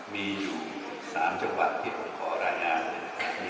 มีอยู่๓จังหวัดที่ผมขอรายงาน